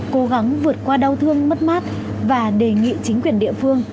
cố gắng vượt qua đau thương mất mát và đề nghị chính quyền địa phương